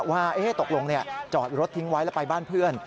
ว่าตกลงจอดรถทิ้งไว้แล้วไปบ้านเพื่อน